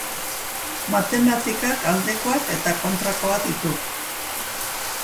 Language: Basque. Matematikak aldekoak eta kontrakoak ditu.